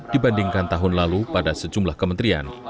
dibandingkan tahun lalu pada sejumlah kementerian